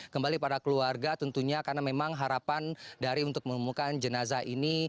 kembali pada keluarga tentunya karena memang harapan dari untuk menemukan jenazah ini